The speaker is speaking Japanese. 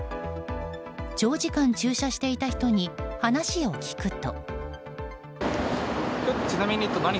長時間駐車していた人に話を聞くと。